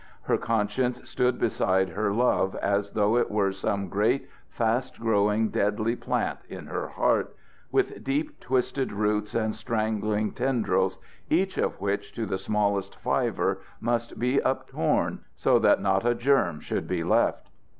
Her conscience stood beside her love as though it were some great fast growing deadly plant in her heart, with deep twisted roots and strangling tendrils, each of which to the smallest fibre must be uptorn so that not a germ should be left.